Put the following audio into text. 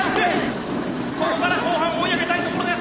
ここから後半追い上げたいところです！